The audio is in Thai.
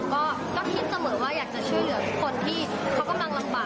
ก็คิดเสมอว่าอยากจะช่วยเหลือคนที่เขากำลังลำบาก